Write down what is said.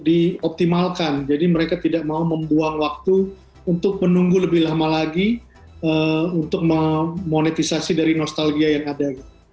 dioptimalkan jadi mereka tidak mau membuang waktu untuk menunggu lebih lama lagi untuk memonetisasi dari nostalgia yang ada